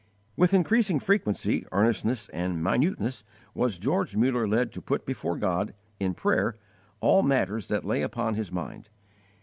With increasing frequency, earnestness, and minuteness, was George Muller led to put before God, in prayer, all matters that lay upon his mind.